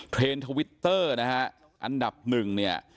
เทรนด์ทวิตเตอร์อันดับ๑เนี่ย